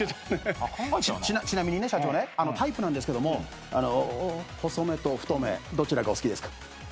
ちなみにね社長ねタイプなんですけども細めと太めどちらがお好きですか？